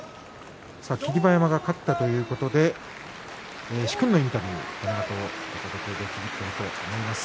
霧馬山が勝ったということで殊勲のインタビューがこのあとお届けできるかと思います。